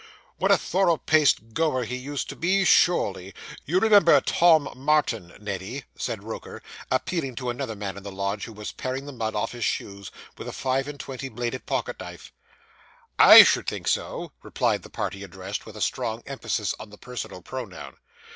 'What a thorough paced goer he used to be sure ly! You remember Tom Martin, Neddy?' said Roker, appealing to another man in the lodge, who was paring the mud off his shoes with a five and twenty bladed pocket knife. 'I should think so,' replied the party addressed, with a strong emphasis on the personal pronoun.